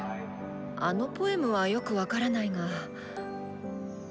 あのポエムはよく分からないが。